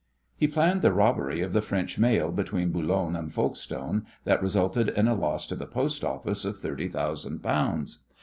He planned the robbery of the French mail between Boulogne and Folkestone that resulted in a loss to the Post Office of thirty thousand pounds.